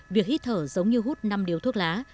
việc hít thở giống như hút năm điếu thuốc lá